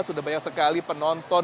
sudah banyak sekali penonton